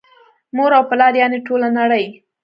مور او پلار یعني ټوله نړۍ